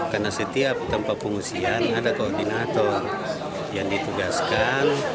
karena setiap tempat pengungsian ada koordinator yang ditugaskan